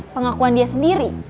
pengakuan dia sendiri